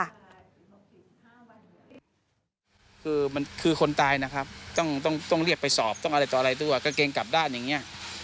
คือมันคือคนตายนะครับต้องต้องเรียกไปสอบต้องอะไรต่ออะไรด้วยว่ากางเกงกลับด้านอย่างนี้